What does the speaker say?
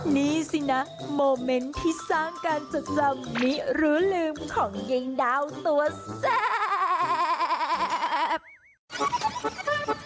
นี่สินะโมเมนต์ที่สร้างการจดจำมิรู้ลืมของเย็งดาวตัวแซ่บ